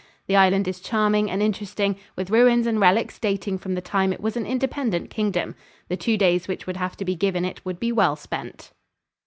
The island is charming and interesting, with ruins and relics dating from the time it was an independent kingdom. The two days which would have to be given it would be well spent.